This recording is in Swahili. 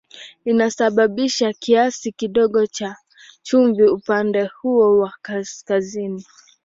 Inasababisha kiasi kidogo cha chumvi upande huo wa kaskazini.